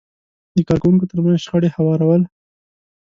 د کار کوونکو ترمنځ شخړې هوارول،